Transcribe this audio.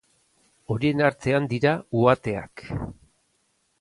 Horien artean dira uhateak.